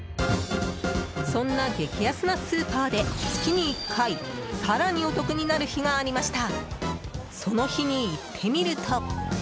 そんな激安なスーパーで月に１回更にお得になる日がありました。